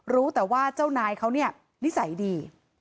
รู้แต่ว่าเจ้านายเขาเนี่ยนิสัยดี